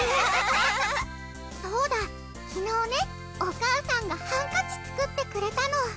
そうだ昨日ねお母さんがハンカチ作ってくれたの。